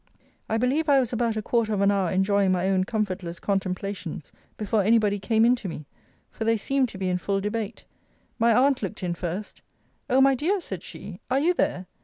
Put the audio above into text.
I believe I was about a quarter of an hour enjoying my own comfortless contemplations, before any body came in to me; for they seemed to be in full debate. My aunt looked in first; O my dear, said she, are you there?